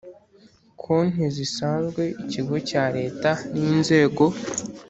Konti zisanzwe ikigo cya leta n inzego